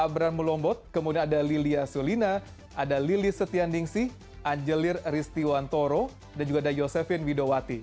abraham mulombot kemudian ada lilia sulina ada lili setiandingsi angelir ristiwantoro dan juga ada yosefin widowati